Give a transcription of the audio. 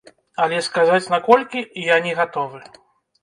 Але сказаць, на колькі, я не гатовы.